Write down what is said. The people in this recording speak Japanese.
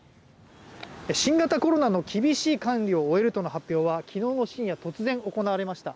新型コロナの厳しい管理を終えるとの発表は昨日の深夜突然、行われました。